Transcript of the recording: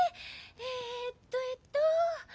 えっとえっと。